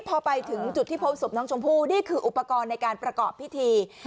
พอไปถึงจุดที่พบศพน้องชมพู่นี่คืออุปกรณ์ในการประกอบพิธี